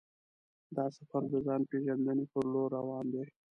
دا سفر د ځان پېژندنې پر لور روان دی.